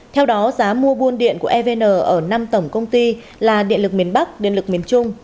theo đó giá mua buôn điện của evn ở năm tổng công ty là điện lực miền bắc điện lực miền trung